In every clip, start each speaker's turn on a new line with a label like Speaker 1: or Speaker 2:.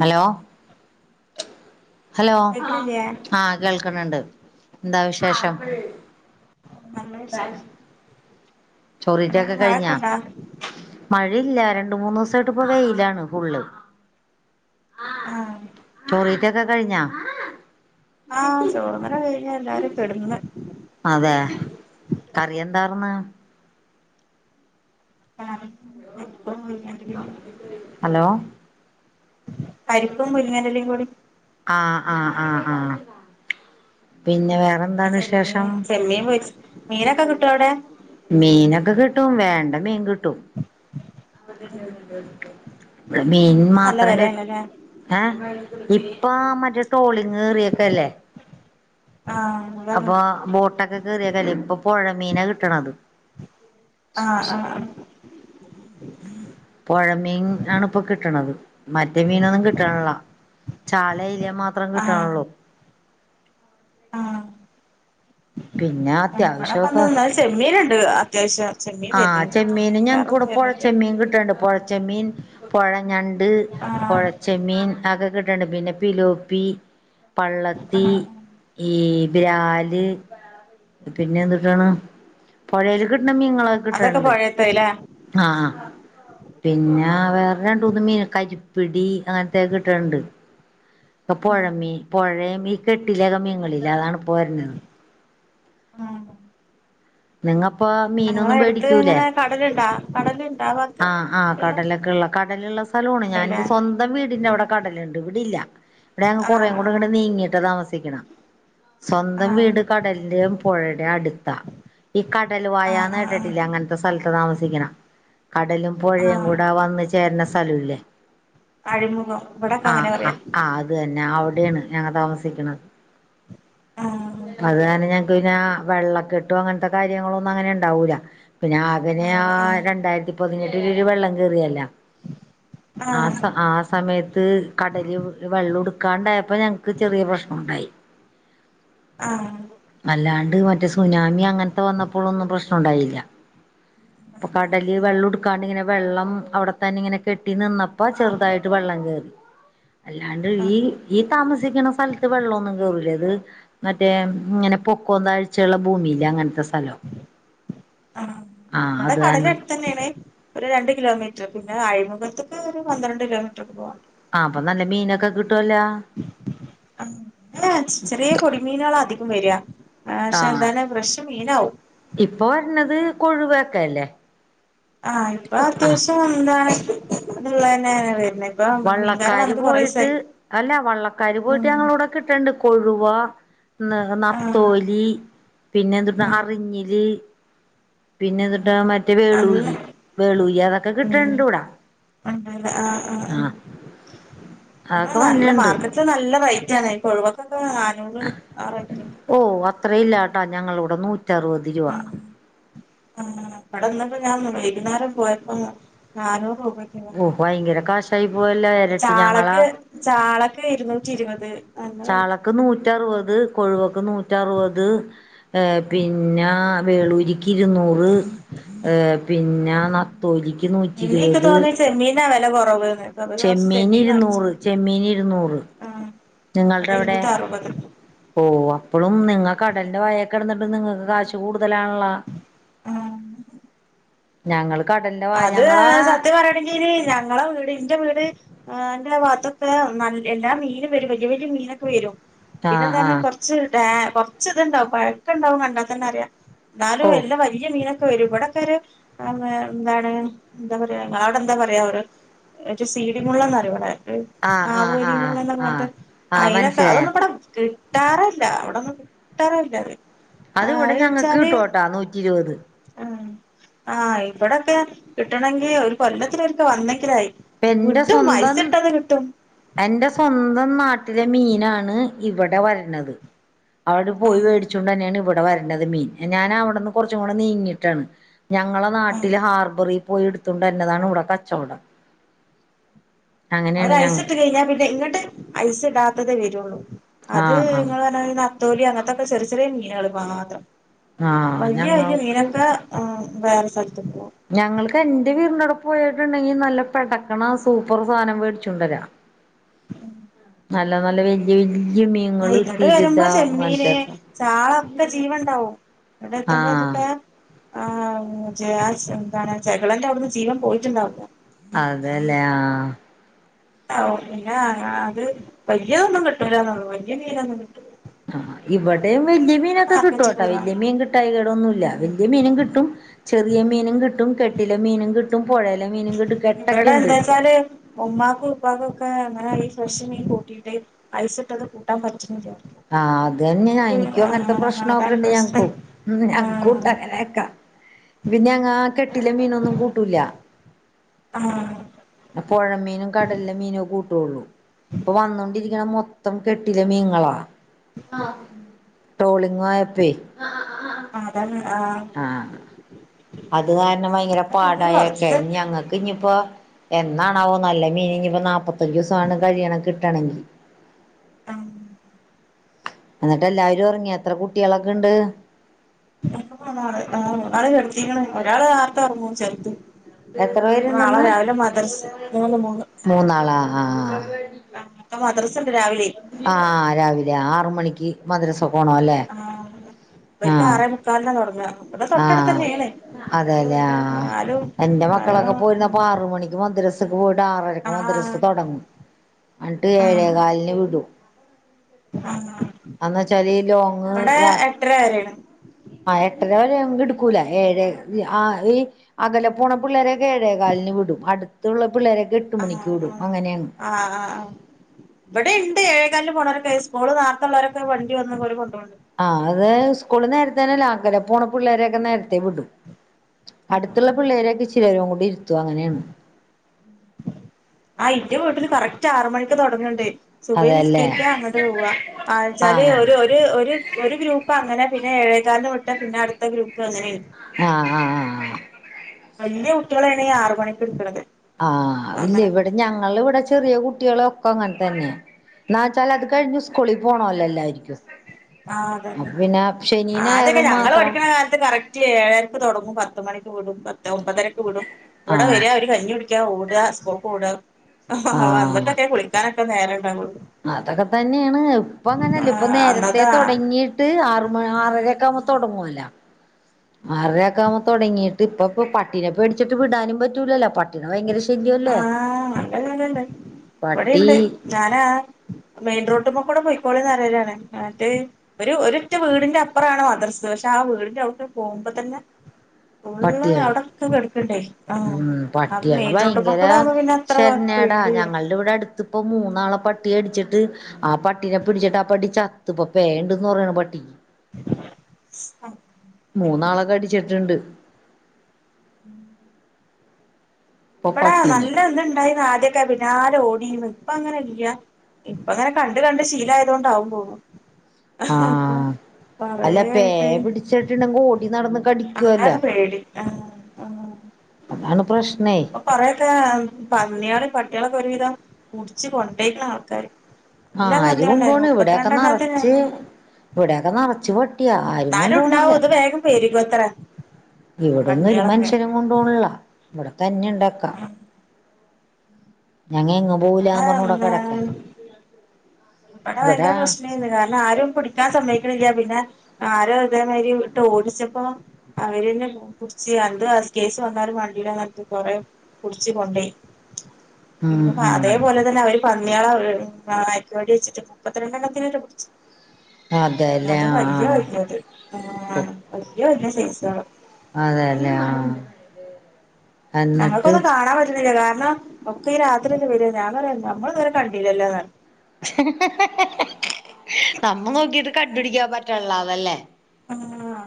Speaker 1: Hello hello
Speaker 2: കേക്കണില്ലേ
Speaker 1: ആഹ കേൾക്കണണ്ട് എന്താ വിശേഷം
Speaker 2: നല്ല വിശേഷം അവിടെ എന്താ
Speaker 1: ചോറീറ്റൊക്കെ കഴിഞ്ഞാ
Speaker 2: മഴയൊക്കെണ്ടാ
Speaker 1: മഴ കഴല്ല രണ്ട മൂന്ന് ദിവസമായിട്ട്പ്പ വെയിലാണ് ഫുൾ
Speaker 2: ആഹ്
Speaker 1: ചോറീട്ടൊക്കെ കഴിഞ്ഞാ
Speaker 2: ആഹ് ചോറൂണ് കഴിഞ്ഞ് എല്ലാരും കെടന്നു
Speaker 1: അതേ. കറി എന്താർന്ന്?
Speaker 2: ആ
Speaker 1: ഹലോ
Speaker 2: പരിപ്പും മുരിങ്ങന്റെ എലൻകൂടി
Speaker 1: ആഹ് ആഹ് ആഹ് ആഹ് പിന്നെ വേറെ
Speaker 2: ചെമ്മീൻ പൊരി മീനൊക്കെ കിട്ടോ അവിടെ
Speaker 1: ട്ടും വേണ്ട മീൻകിട്ടും മീൻ
Speaker 2: മീനിന് നല്ല
Speaker 1: മാത്രം ക്
Speaker 2: വെലയാണല്ലേ
Speaker 1: ഏ ഇപ്പ് ഇപ്പ മറ്റേ ടോളിങ് കേറിയെക്കല്ലേ
Speaker 2: ആഹ് അതാണ്
Speaker 1: അപ്പൊ ബോട്ടൊക്കെ കേറിയക്കല് ഇപ്പൊ പുഴ മീനാ കിട്ടണത്
Speaker 2: ആഹ് ആഹ് ആഹ്
Speaker 1: പുഴമീൻ ആണ് ഇപ്പൊ കിട്ടണത് മറ്റേ മീനൊന്നും കിട്ടണില്ല ചാല മാത്രം
Speaker 2: ആഹ്
Speaker 1: കിട്ടാണുള്ളൂ. പിന്നെ അത്യാവശ്യമൊക്കെ
Speaker 2: [unintelligible] ചെമ്മീൻ ഇണ്ട് അത്യാവശ്യം. ചെമ്മീൻ
Speaker 1: ആഹ്
Speaker 2: വരുന്നുണ്ട്
Speaker 1: ചെമ്മീൻ ഞങ്ങക്ക് കൂടെ
Speaker 2: വേറൊന്നും
Speaker 1: പുഴ
Speaker 2: വരുന്നില്ല
Speaker 1: ചെമ്മീൻ കിട്ടണ്ട് പുഴ ജെമീൻ പുഴഞ്ഞ ഞാ അത് പുഴ
Speaker 2: ആഹ്
Speaker 1: ചെമ്മീൻ അതക്കെ കിട്ടീണ്ട് പിന്നെ പിലോപ്പി പള്ളത്തി
Speaker 2: ആഹ്
Speaker 1: ഈ ബ്രാല് പിന്നെ എന്തുട്ടാണ് പുഴേല് കിട്ടണ നിങ്ങ
Speaker 2: അതൊക്കെ
Speaker 1: കിട്ടണ്ണ്ട്
Speaker 2: പൊഴേത്തല്ലേ
Speaker 1: ആ പിന്നെ വേറെ രണ്ട് മൂന്ന് മീൻ കരിപ്പിടി അങ്ങനത്തെയക്കെ കിട്ടണ് ണ്ട് ഇപ്പൊ
Speaker 2: ആഹ്
Speaker 1: പുഴമീ പുഴയും ഈ കെട്ടിലേകമീങ്ങളില്ല അതാണ് ഇപ്പോ വരണത്
Speaker 2: ആഹ്
Speaker 1: നിങ്ങപ്പാ
Speaker 2: ഞങ്ങളെ
Speaker 1: മീനൊന്നും
Speaker 2: അടുത്ത്
Speaker 1: മേടിക്കൂല്ലേ
Speaker 2: ഇങ്ങനെ കടലുണ്ടാ കടലുണ്ടാ ഭാഗത്ത്
Speaker 1: ആ ആ
Speaker 2: വെള്ളം
Speaker 1: കടലൊക്കെള്ള കടലുള്ള സ്ഥലാണ് ഞാ
Speaker 2: ഉണ്ടല്ലേ
Speaker 1: എന്റെ സ്വന്തം വീടിന്റെ അവിടെ കടലണ്ട് ഇവിടില്ല ഇവിടെ കൊറേ കൂടി
Speaker 2: ആഹ്
Speaker 1: ഇ നീങ്ങിട്ട താമസി ട്ടിക്കണം സ്വന്തം
Speaker 2: ആഹ്
Speaker 1: വീട് കടലിന്റെയും പുഴയുടെയും അടുത്താ കടല്‍
Speaker 2: ആഹ്
Speaker 1: വായാന്ന്
Speaker 2: ആഹ് ആഹ്
Speaker 1: കേട്ടിട്ടില്ല അങ്ങനത്തെ സ്ഥലത്ത് താമസിക്ക ക്കണം കടലും പുഴയും
Speaker 2: ആഹ് ആഹ്
Speaker 1: കൂടെ വന്ന് ചേരണ സ്ഥലല്ലേ
Speaker 2: അഴിമുഖം ഇവിടൊക്കെ
Speaker 1: ആ
Speaker 2: അങ്ങനെ പറയാ
Speaker 1: ആ അത് തന്നെ അവിടെയാണ് ഞങ്ങ താമസ സെക്കണ
Speaker 2: ആഹ്
Speaker 1: അത് തന്നെ ഞങ്ങക്ക് പിന്നെ വെള്ള കെട്ടും അങ്ങനത്തെ കാര്യങ്ങളൊന്നും അങ്ങനെ ഉണ്ടാവൂല്ല പിന്നെ ആകനെ ആ
Speaker 2: ഉണ്ടാവൂല ആഹ്
Speaker 1: രണ്ടായിരത്തി പതിനെ [unintelligible] വെള്ളം കയറിയല്ല ആ സ
Speaker 2: ആഹ്
Speaker 1: ആ സമയത്ത് അത് കടല് വെള്ളുടുക്കാണ്ടായപ്പോ ഞങ്ങക്ക് ചെറിയ പ്രശ്നുണ്ടായി
Speaker 2: ആഹ്
Speaker 1: അല്ലാണ്ട് മറ്റേ സുനാമി അങ്ങനെത്തെ ന്നപ്പോഴൊന്നും പ്രശ്നുണ്ടായില്ല ഇപ്പം കടല് വെള്ളുടുക്കാണ്ടിങ്ങനെ വെള്ളം അവിടെത്തന്നെ ഇങ്ങനെ കെട്ടി നിന്നപ്പോ ചെറുതായിട്ട് വെള്ളം കേയറി. അല്ലാണ്ട് ഈ
Speaker 2: ആഹ്
Speaker 1: ഈ താമസിക്കുന്ന സ്ഥലത്ത് വെള്ളമൊന്നും കേറൂല്ല. അത് മറ്റേ ഇങ്ങനെ പൊക്കോ താഴ്ചുള്ള ഭൂമിയില്ല അങ്ങനത്തെ സ്ഥലവാ
Speaker 2: ആ
Speaker 1: ആഹ്
Speaker 2: ഇവടെ
Speaker 1: അത്
Speaker 2: കടല്
Speaker 1: തന്നെ
Speaker 2: അടുത്തന്നേണ്. ഒരു രണ്ട് കിലോമീറ്റർ പിന്നെ അഴിമുഖത്തക്കെ ഒരു പന്ത്രണ്ട് കിലോമീറ്റർ ഒക്കെ പോണം
Speaker 1: ആ അപ്പൊ നല്ല മീനൊക്കെ കിട്ട
Speaker 2: ചെറിയ പൊടി മീനാള അധ വരാ
Speaker 1: ആ
Speaker 2: പക്ഷെ എന്താണ് ഫ്രഷ് മീനാവും
Speaker 1: ഇപ്പൊ വെര്ണത് കൊഴുവക്കല്ലേ
Speaker 2: ആ ഇപ്പൊ അത്യാവശ്യം എന്താണ് ഇതുള്ള തന്നെയാണ് വരുന്നെ ഇപ്പൊ മീൻകാരൻ
Speaker 1: വള്ളക്കാര്
Speaker 2: വന്നിട്ട് കൊറേ
Speaker 1: പോയിട്ട്
Speaker 2: ദിവസായി
Speaker 1: അല്ല വള്ളക്കാര് പോയിട്ട്
Speaker 2: ഉം
Speaker 1: ഞങ്ങളവിടെ കിട്ടണുണ്ട് കൊഴു ഴുവാ ന
Speaker 2: ആഹ്
Speaker 1: നത്തോലി പിന്നെന്തൂട്ട
Speaker 2: ആഹ്
Speaker 1: അറിഞ്ഞില് പിന്നെ [unintelligible] മറ്റേ
Speaker 2: നല്ല
Speaker 1: വേളൂരി വേളൂരി അതൊക്കെ
Speaker 2: ഉം
Speaker 1: കിട്ടണ്ട് ഇവിടെ
Speaker 2: ഉണ്ടല്ലേ ആഹ് ആഹ്
Speaker 1: ആ
Speaker 2: ആഹ്
Speaker 1: അതൊക്കെ വരുന്നുണ്ട്
Speaker 2: [unintelligible] കൊഴുവാക്ക നാനൂറ് ആ റേറ്റുണ്ട്.
Speaker 1: ഇത്രയില്ലാട്ടോ ഞങ്ങളിവിടെ നൂറ്റ് റ്ററുപത് രൂപ
Speaker 2: ഇവടെന്നിട്ട് ഞൻ വൈകുന്നേരം പോയപ്പോ നാനൂറ് രൂപക്ക്
Speaker 1: ഓ ഭയങ്കര കാശായി പോയല്ലോ ഇരട്ടി ഞങ്ങളാ
Speaker 2: ചാളക്ക് ചാളക്ക് ഇരുന്നൂറ്റി ഇരുപത് അങ്ങനെ
Speaker 1: ചാളക്ക് നൂ നൂറ്ററുപത് കൊഴുവക്ക് നൂറ്ററുപത് ഏ പിന്നെ ആ വേളൂരിക്ക് ഇരുന്നൂറ് ഏ പിന്നെ നത്തോലിക്ക് നൂറ്റി ഇരുപത്
Speaker 2: നാ വില കുറവ്
Speaker 1: ചെമ്മീൻ ഇരുന്നൂറ് ചെമ്മീൻ ഇരുന്നൂറ്
Speaker 2: ആഹ്
Speaker 1: നിങ്ങളുടെ
Speaker 2: ഇവിടെ
Speaker 1: അവിടെ
Speaker 2: ഇരുന്നൂറ്റി അറുപത്
Speaker 1: ഓ അപ്പഴും നിങ്ങൾക്ക് കടലിന്റെ വായെകിടന്നിട്ട് നിങ്ങക്ക് കാശ് കൂടു തലാണല്ലോ
Speaker 2: ആ
Speaker 1: ഞങ്ങള്
Speaker 2: അത് സത്യം പറയാണെങ്കിൽ ഇനി ഞങ്ങളെ വീട് എന്റെ വീട്ന്റെ ഭാഗത്തൊക്കെ നല്ല എല്ലാ മീനും വരും വലിയ വലിയ മീനൊക്കെ വരും പിന്നെ
Speaker 1: ആഹ്
Speaker 2: എന്താണ്
Speaker 1: ആഹ്
Speaker 2: കൊറച്ച്ട്ടാ കുറച്ച് ഇതുണ്ടാവും പഴക്കം ഉണ്ടാവും കണ്ടാ തന്നെ അറിയാം
Speaker 1: ഓ
Speaker 2: എന്നാലും എല്ലാം വലിയ മീന ഒരു ഇവിടൊക്കെ ഒരു എന്താണ് എന്താ പറയാ അവിടെ എന്താ പറയാ ഒരു സീടിമുള്ളന്നയിവിടെ
Speaker 1: ആഹ് ആഹ് ആഹ്
Speaker 2: ആവോലിമുള്ളെന്നു പറഞ്ഞിട്ട്
Speaker 1: ആഹ് ആഹ്
Speaker 2: അയലത്ത്
Speaker 1: മനസ്സിലായ
Speaker 2: അതൊന്നും ഇവിടെ കിട്ട് ട്ടാറേല്ല അവിടൊന്നും കിട്ടാറില്ല
Speaker 1: അത് ഇവിടെ ഞങ്ങക്ക് കിട്ടൂം കേട്ടോ നൂറ്റി ഇരുപത്
Speaker 2: ഉം ആ ഇവിടൊക്കെ കിട്ടണമെങ്കി ഒരു കൊല്ലത്തിലൊക്കെ വന്നെങ്കിലായി.
Speaker 1: എൻ്റെ
Speaker 2: കിട്ടും
Speaker 1: സ്വന്തം
Speaker 2: ഐസിട്ടത് കിട്ടും
Speaker 1: എൻ്റെ സ്വന്തം നാട്ടി ട്ടിലെ മീനാണ് ഇവിടെ വര്ണത് അവ്ടെ പോയി
Speaker 2: ആഹ്
Speaker 1: വേടിച്ചൊണ്ട് ന്നേണ് വട് അവ്ടെ വര്ണത് മീൻ ഞാൻ അവിടുന്ന് കൊർച്ചും കൂടെ നീങ്ങിയിട്ടാണ് ഞങ്ങളെ
Speaker 2: ആഹ്
Speaker 1: ന്നാട്ടില് ഹാർബറിം പോയി എടുത്തുണ്ട് വര്ണതാണ് ഇവ്ടെ കച്ചവടം
Speaker 2: അവര്
Speaker 1: അങ്ങനെയാണ് ഞങ്ങ
Speaker 2: ഐസ് ഇട്ട് കഴിഞ്ഞാൽ പിന്നെ ഇങ്ങട്ട് ഐസ് ഇടാത്തതേ വരൊള്ളൂ അത്
Speaker 1: ആഹ് ആഹ്
Speaker 2: നിങ്ങൾ പറഞ്ഞയരി ന്നത്തോലി അങ്ങൻത്തൊക്കെ ചെറ് ചെറിയ മീനേൾ വാഥം
Speaker 1: ആഹ്
Speaker 2: വലയ
Speaker 1: ഞങ്ങൾക്ക്
Speaker 2: മീനൊക്കെ ആ വേ
Speaker 1: ഞങ്ങൾക്ക് എന്റെ വീടിനോടും പ്പോയീട്ടുണ്ടങ്കില് ന്നല്ലപെടക്ക്ണ സൂപ്പർ സാധനം വേട് ചൊണ്ട് രാ ന്നല്ല ന്നല്ല വെല്ല്യ വെല്
Speaker 2: ആ ഇങ്ങട്ട് വരുമ്പോ ചെമ്മീന്
Speaker 1: അങ്ങനത്തെയൊക്കെ
Speaker 2: ചാളൊക്കെ ജീവം ണ്ടാവും ഇങ്ങട്ടെ ത്തുമ്പൊത്ത്
Speaker 1: ആഹ്
Speaker 2: ക്കെ ആ എന്താണ് ചകളന്റെ അവിട്ന്ന് ജീവൻ പോയിട്ടുണ്ടാവില്ല
Speaker 1: അതേലെ ആ
Speaker 2: [unintelligible] പിന്നെ അത് വല്ല്യയതൊന്നും കിട്ടൂലന്നൊള്ളു വല്ല്യയ മീനൊന്നും കിട്ടൂല
Speaker 1: ആ ഇവിടെയും വെല്ല്യ മീനൊക്കെ കിട്ടും
Speaker 2: മാർക്കറ്റ്
Speaker 1: ട്ടോ
Speaker 2: പോയി
Speaker 1: വെല്ല്യ
Speaker 2: വാങ്ങും
Speaker 1: മീൻ കിട്ടായികേട് ഒന്നുല്ല
Speaker 2: ഉം
Speaker 1: വെല്ല്യ മീനും കിട്ടും. ചെറിയ മീനും കിട്ടും കെട്ടില മീനും കിട്ടും പുഴയിലെ മീനും കിട്ടും കെട്ടൊക്കെ
Speaker 2: ഇബടെ
Speaker 1: ഉണ്ട്
Speaker 2: എന്താ ച്ചാല് ഉമ്മാക്കും ഉപ്പക്കും ഒക്കെ അങ്ങനെ ഫ്രഷ് മീൻകൂട്ടിട്ട് ഐസ് ഇട്ടത് കൂട്ടാൻ പ
Speaker 1: ആ അത് അന്നെ എനിക്കും അങ്ങനത്തെ
Speaker 2: ആഹ്
Speaker 1: പ്രശ്നൊക്കെ
Speaker 2: അതാണ്
Speaker 1: ഇണ്ട്
Speaker 2: പ്രശ്നം
Speaker 1: ഞങ്ങക്കും
Speaker 2: ആഹ്
Speaker 1: ഞങ്ങക്കൂണ്ടങ്ങനൊക്കെ പിന്നെങ്ങാ കെട്ടിലെ മീനൊന്നും കൂട്ടുലാ.
Speaker 2: ആ
Speaker 1: പൊഴമീനും കടലിലെ മീനുവേ കൂട്ടു ഒള്ളൂ ഇപ്പൊ വന്നോണ്ടിരിക്കണ മൊത്തം കെട്ടിലെ മീങ്ങളാ ട്രോളിങ്ങായപ്പേ.
Speaker 2: അതാണ്.
Speaker 1: ആഹ് അത് കാരണം ഭയങ്കര
Speaker 2: പിന്നെ
Speaker 1: പാടായക്കെ
Speaker 2: കൊറച്ച്
Speaker 1: ഇഞ്ഞി ങ്ങക്ക് ഞി ഇപ്പോ എന്നാണാവോ നല്ല മീനിനി ഇപ്പം നാപ്പത്തഞ്ചൂസാണ് കഴിയണം കിട്ടണെങ്കി.
Speaker 2: [unintelligible]
Speaker 1: എന്നിട്ട് എല്ലാരും ഒർങ്ങിയോ എത്ര കുട്ടികളൊക്കെ ഇണ്ട്?
Speaker 2: [unintelligible] ഒരാൾ നേർത്തെ ഒർങ്ങും ചെർ
Speaker 1: എത്ര പേരുണ്ടെന്ന്
Speaker 2: മദ്രസ് മൂന്ന് മൂന്ന്
Speaker 1: മൂന്നാളാ ആഹ്
Speaker 2: ആഹ് ഇപ്പൊ മദ്രസ ഇണ്ട് രാവിലെ
Speaker 1: ആ രാവിലെ ആറു മണി ക്ക് മദ്രസ പോണം അല്ലേ
Speaker 2: ആഹ്
Speaker 1: ആ
Speaker 2: ഇവരിക്ക് ആറേ മുക്കാലിനാ തുടങ്ങാ ഇവടെ
Speaker 1: ആ
Speaker 2: തൊട്ടടുത്തന്നെയാണ്
Speaker 1: അതെല്ലേ ആ
Speaker 2: എന്നാലും
Speaker 1: എന്റെ
Speaker 2: [unintelligible]
Speaker 1: [unintelligible] ഒരാറരക്ക്‌ മദ്രസ തൊടങ്ങും അന്നിട്ട്
Speaker 2: ആഹ്
Speaker 1: ഏഴേകാലിന്
Speaker 2: ആഹ്
Speaker 1: എന്നാച്ചാല് ലോങ്ങ്
Speaker 2: ഇവിടെ
Speaker 1: യാ
Speaker 2: [unintelligible]
Speaker 1: ആ എട്ടര വരെ ഞങ്ങക്ക് എടുക്കൂല ഏഴേ ആ ഈ അകല പോണ പിള്ളേരൊക്കെ ഏഴേകാലിന് വിടും അടുത്തുള്ള പിള്ളേരൊക്കെ എട്ട്
Speaker 2: ആ
Speaker 1: മണിക്ക്
Speaker 2: ആ
Speaker 1: വിടും അങ്ങനെയാണ്
Speaker 2: ആ ആ ആ ഇവിടെ ഇണ്ട് ഏഴേകാലിന് പോണോര ക്കെ സ്കൂള് നേരത്തെ ഉള്ളോരൊക്കെ വണ്ടി വന്ന് ഓര് കൊണ്ട് കൊണ്ടോന്നുണ്ട്.
Speaker 1: ആഹ് അത് സ്കൂളിൽ നേര [unintelligible] അകലെ പോണ പുള്ളേരൊക്കെ നേരത്തെ വിടും. അടുത്തുള്ള പിള്ളേരൊക്കെ ഇച്ചിരി നേരം കൂടി ഇരുത്തും അങ്ങനെയാണ്.
Speaker 2: ആഹ് ഇന്റെ വീട്ടില് കറക്റ്റ് ആറ് മണിക്ക് തുടങ്ങണ്ട്. സുബയ്
Speaker 1: അതെല്ലേ
Speaker 2: നിസ്കരിക്കാൻ അങ്ങോട്ട് പോവുക ആന്ന്
Speaker 1: ആ
Speaker 2: വെച്ചാല് ഒരു ഒരു ഒരു ഒരു ഗ്രൂപ്പ് അങ്ങനെ. പിന്നെ ഏഴേക്കാലിന് വിട്ട പിന്ന അടുത്ത ഗ്രൂപ്പ് അങ്ങനെണ്.
Speaker 1: ആഹ് ആഹ് ആ
Speaker 2: വല്യ കുട്ടികളാണ് ആറ് മണിക്ക് എണീക്കണത്
Speaker 1: ആഹ് ഇല്ല ഇവിടെ ഞങ്ങള് ഇവിടെ ചെറിയ കു കുട്ടികളോക്ക അങ്ങനെ തന്നെ എന്നാ വെച്ചാൽ അത് കഴിഞ്ഞ് സ്കൂളിൽ പോണോല്ലോ എല്ലാരിക്കും
Speaker 2: ആ അതെതെ
Speaker 1: അപ്പൊ പിന്നെ ശനി
Speaker 2: ആ അതന്നെ
Speaker 1: ഞായറും
Speaker 2: ഞങ്ങള്
Speaker 1: മാത്രം
Speaker 2: പഠിക്കണ കാലത്ത് കറക്റ്റ് ഏഴരക്ക് തുടങ്ങും പ ത്തു മണി [unintelligible] പത്ത് ഒമ്പതരക്ക് വിടും
Speaker 1: ആ
Speaker 2: ഇവിടെ വരിക അവര് കഞ്ഞി കുടിക്കാ ഓടുക സ്കൂൾക്ക്‌ ഓടുക വന്നിട്ടൊക്കെ കുളിക്കാനൊക്കെ നേര [unintelligible]
Speaker 1: അതക്ക തന്നെയാണ് ഇപ്പ അങ്ങനെല്ല ഇപ്പൊ
Speaker 2: ആഹ്
Speaker 1: നേരത്തെ
Speaker 2: അന്നത്തെ
Speaker 1: തൊടങ്ങിയിട്ട് ആറ് മ ആറരേക്കാ [unintelligible] തൊടങ്ങുവല്ല ആറരേക്ക ആകുമ്പോ തൊടങ്ങിയിട്ട് ഇപ്പപ്പൊ പട്ടീന പ്പേടിച്ചിട്ട് വിടാനും പറ്റൂലല്ലോ പട്ടികള് ഭയങ്കര ശ
Speaker 2: ആ [unintelligible]
Speaker 1: പട്ടി
Speaker 2: ഇവടെണ്ട് ഞാനാ ആ മെയിൻ റോഡ്ക്ക്‌ കൂടെ പോയിക്കോളിന്ന് പറയലാണ് എന്നിട്ട് ഒരു ഒരു ഒറ്റ വീടിന്റെ അപ്പറാണ് മദ്രസ പക്ഷെ ആ വീടിന്റെ അവിടേക്കെ പോകുമ്പോ തന്ന ഫുള്ള്
Speaker 1: പട്ടികള്
Speaker 2: അവിടെക്കെ കെടുക്കണ്ടേ ആ
Speaker 1: ഉം പട്ടികളെ
Speaker 2: [unintelligible]
Speaker 1: ഭയങ്കര [unintelligible] ഞങ്ങൾടെ ഇവിടെ അടുത്ത്പ്പ മൂന്നാളെ പട്ടി കടിചി [unintelligible] ആ പട്ടീനാ പിടിച്ചിട്ട് ആ പട്ടി ചത്ത്പ്പ പേ ഇണ്ട്ന്ന് പറയണ് പട്ടി മൂന്നാള കടിച്ചിട്ടുണ്ട് ഇപ്പൊ
Speaker 2: ബടെ
Speaker 1: പട്ടീനെ
Speaker 2: നല്ല ഇത് ഇണ്ടായിന്ന ആദ്യ പിന്നാലെ ഓടീന്ന് ഇപ്പ അങ്ങനെ ഇല്ല. ഇപ്പ അങ്ങനെ കണ്ട് കണ്ട് ശീലയതോണ്ട് ആവും തോന്ന്
Speaker 1: ആഹ അല്ല പേ പിടിച്ചിട്ടുണ്ടെങ്കി ഓടി നടന്നി
Speaker 2: അതാണ് പേടി. അ
Speaker 1: അതാണ് പ്രശ്നേ
Speaker 2: അ പറയൊക്കെ പന്ന്യാള് പട്ടികളൊക്കെ ഒരുവിധം പുട്ച്ച് കൊണ്ടേയ്ക്ക്ണ് ആൾക്കാര്. നല്ല
Speaker 1: ആര് കൊണ്ടോണ്
Speaker 2: പന്നിയാള്ണ്ടായിരുന്നു
Speaker 1: ഇവിടെക്കെ നറ
Speaker 2: മുപ്പത്തിരണ്ടെണ്ണത്തിനെ
Speaker 1: ച്ച് ഇവിടെക്കെ നറച്ച് വ ആരും
Speaker 2: ന്നാലും
Speaker 1: കൊണ്ടോണില്ല.
Speaker 2: ഇണ്ടാവും ഇത് വേഗം പെരുകുവത്രെ
Speaker 1: ഇവിടൊന്നും ഒരു
Speaker 2: പന്നിയാളൊക്കെ
Speaker 1: മനുഷ്യരും കൊണ്ടോണ്ല്ല. ഇവിടെ തന്നെ ണ്ടക്ക. ഞങ്ങ എങ്ങും പോവൂലാ പർഞ്ഞ് വടെ കെടക്ക
Speaker 2: ആഹ് ഇവിടെ ഭയങ്കര പ്രശ്നേര്ന്ന് കാരണം ആരും പുടിക്കാൻ സമ്മയ് ക്ക്ണില്ല പിന്നെ ആരോ അതേമാതിരി ഇട്ട് ഓടിച്ചപ്പോ അവരെന്നെ പുട്ച്ച് അ ന്ത് കേസ് വന്നാരു വാണ്ടിലാ ർഞ്ഞ്ട്ട് കൊറെ പുട്ച്ച് കൊണ്ടേയി.
Speaker 1: ഉം
Speaker 2: പിന്നെ
Speaker 1: ഉം
Speaker 2: അതേപോലെ തന്നെ അവര് പന്ന്യാളെ [unintelligible] വെടി വെച്ചിട്ട് മുപ്പത്തിരണ്ടെണ്ണത്തിനെറ്റെ പുട്ച്ച്.
Speaker 1: അതെല്ലേ
Speaker 2: അതും വല്യ
Speaker 1: ആഹ്
Speaker 2: വല്യത്. അയ്യോ എന്ത ചെയ്ചോളം
Speaker 1: അതെല്ലേ ആഹ
Speaker 2: ഞങ്ങൾക്ക ഒന്ന് കാണാൻ പറ്റുന്നില്ല കാരണം ഒക്ക ഈ രാത്രി ഒന്ന് വര ഞാൻ പറഞ്ഞു നമ്മൾ ഇതുവരെ കണ്ടില്ലല്ലാന്ന് പറ
Speaker 1: [inaudible] നമ്മ നോക്കിട്ട കണ്ടുപിടിക്കാൻ പട്ടനിലാ
Speaker 2: ആഹ്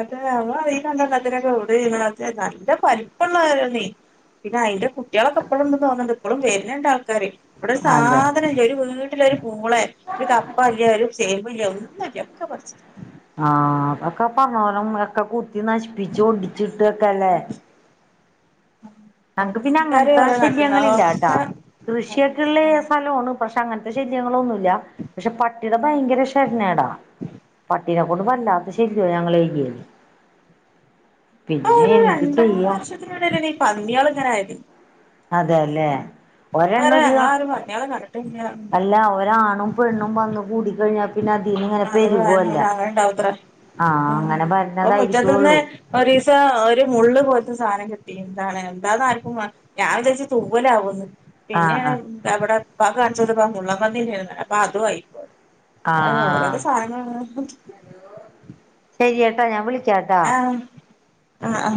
Speaker 2: അതെ അ നല്ല പലിപ്പുള്ളള്ളതാരണ പിന്നെ അയിന്റെ കുട്ടികളൊക്കെ എപ്പോഴും ഉണ്ടെന്ന് തോന്നുന്നുണ്ട് ഇപ്പഴും വരുന്നണ്ട് ആൾക്കാര്െ ഇവിടെ
Speaker 1: അതെ
Speaker 2: സാധനം ഒരു വീ അ [inaudible] മൂളെ ഒരു കപ്പല്ല ഒരു ചെമ്പ്ല്ല ഒന്നുംല്ല [inaudible]
Speaker 1: ആഹ ഒക്കെ പറഞ്ഞനും ഒക്കെ [inaudible] കുത്തി നശിപ്പിച്ചച്ച് ഓടിച്ചിട്ടൊക്കല്ലേ നമക്ക് പിന്നെ
Speaker 2: താര്
Speaker 1: അങ്ങനത്തെ
Speaker 2: കൊറേ നട്ടിന്
Speaker 1: ശല്യങ്ങളില്ല ട്ടാ
Speaker 2: അതൊക്കെ
Speaker 1: കൃഷിയൊക്കെയുള്ള സ്ഥലമാണ് പക്ഷെ അങ്ങനത്തെ ശല്യങ്ങളൊന്നുമല്ല പക്ഷെ പട്ടിയുടെ ഭയങ്കര ക്ഷരണേട പട്ടീനെ കൊണ്ട് വല്ലാത്ത ശല്യോ ഞങ്ങൾ ഏരിയൽ
Speaker 2: ഒരു രണ്ട് മൂന്ന് വർഷത്തിനുള്ള [inaudible]
Speaker 1: അതെല്ലേ
Speaker 2: അന്ന്
Speaker 1: ഒരെണ്ണം
Speaker 2: വരാ
Speaker 1: ഒരു
Speaker 2: ഞങ്ങൾ ആരും പട്ടികളെ
Speaker 1: അല്ല ഒരാണും പെണ്ണും വന്ന് കൂടിക്കഴിഞ്ഞാ
Speaker 2: അത് അങ്ങനെ അങ്ങനെ ഇണ്ടാവൂത്രേ
Speaker 1: ആഹ്
Speaker 2: ആ
Speaker 1: അങ്ങനെ
Speaker 2: അപ്പൊ മുറ്റത്തിന്ന്
Speaker 1: വരുന്നതായിരിക്കുള്ളൂ
Speaker 2: ഒരീസം ഒരു മുള്ള് പോലത്ത സാധന കിട്ടിന്ന് എന്താണ് എന്താന്ന് ആരിക്കും മന ഞാൻ വിചാരിച്ച് തൂവലാവുന്ന്
Speaker 1: ആഹ്
Speaker 2: പിന്നേണ്
Speaker 1: ആഹ്
Speaker 2: ദവടെ ഇപ്പക് കാണിച്ചു കൊടുക്കാൻ നിന്ന് മുള്ളൻ പന്നി ദേ ആണ് എന്ന് അതും ആയി
Speaker 1: ആഹ്
Speaker 2: അതെ ഓരോരോ
Speaker 1: ആഹ്
Speaker 2: സാനങ്ങള്
Speaker 1: ശരിയെട്ട ഞാൻ വിളി വിളികേട്ടു
Speaker 2: അ ആ